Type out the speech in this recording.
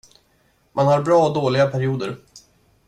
Man har bra och dåliga perioder.